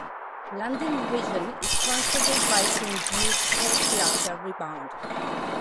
Land in the region is constantly rising due to post-glacial rebound.